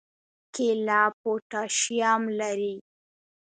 کیله پوټاشیم لري